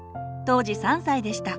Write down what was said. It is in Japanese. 当時３歳でした。